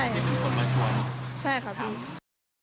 ใช่ค่ะพี่